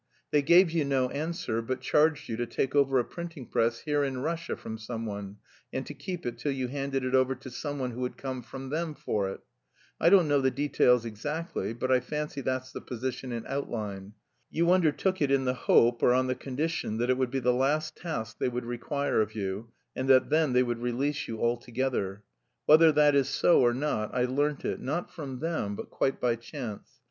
They gave you no answer, but charged you to take over a printing press here in Russia from someone, and to keep it till you handed it over to someone who would come from them for it. I don't know the details exactly, but I fancy that's the position in outline. You undertook it in the hope, or on the condition, that it would be the last task they would require of you, and that then they would release you altogether. Whether that is so or not, I learnt it, not from them, but quite by chance.